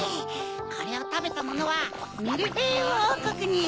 これをたべたものはミルフィーユおうこくに。